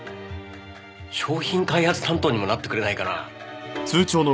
商品開発担当にもなってくれないかな。